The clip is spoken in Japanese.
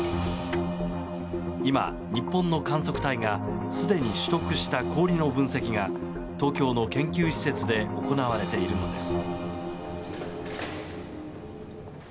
今、日本の観測隊がすでに取得した氷の分析が東京の研究施設で行われているのです。